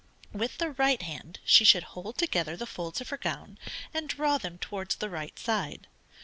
With the right hand she should hold together the folds of her gown, and draw them towards the right side.